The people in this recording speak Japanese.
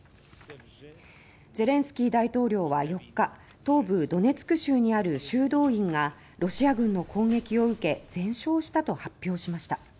ゼレンスキー大統領は４日東部ドネツク州にある修道院がロシア軍の攻撃を受け全焼したと発表しました。